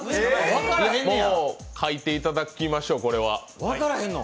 書いていただきましょう、これは。